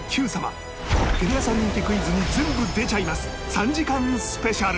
３時間スペシャル